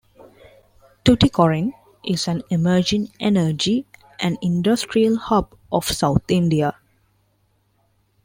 Tuticorin is an "Emerging Energy and Industrial hub of South India".